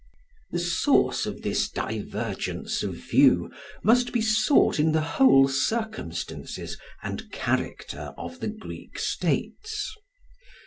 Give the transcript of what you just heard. The source of this divergence of view must be sought in the whole circumstances and character of the Greek states.